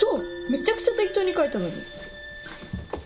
めちゃくちゃ適当に書いたのに。